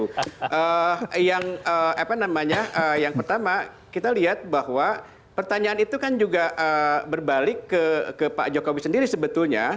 nah yang apa namanya yang pertama kita lihat bahwa pertanyaan itu kan juga berbalik ke pak jokowi sendiri sebetulnya